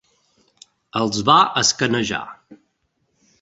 Els va escanejar.